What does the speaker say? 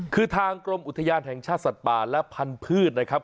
คือทางกรมอุทยานแห่งชาติสัตว์ป่าและพันธุ์นะครับ